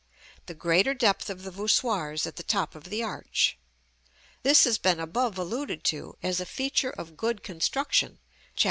the greater depth of the voussoirs at the top of the arch. This has been above alluded to as a feature of good construction, Chap.